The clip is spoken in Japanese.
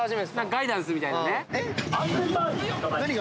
ガイダンスみたいなね。